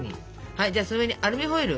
はいじゃその上にアルミホイル。